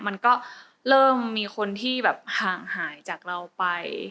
มันก็เริ่มมีคนที่แบบห่างหายจากเราไป